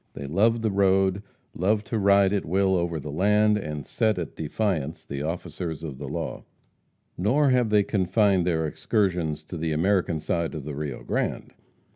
They loved the road, loved to ride at will over the land, and set at defiance the officers of the law. Nor have they confined their excursions to the American side of the Rio Grande.